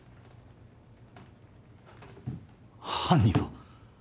⁉犯人は？